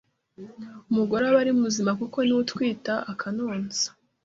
umugore aba ari muzima kuko ni we utwita, akanonsa.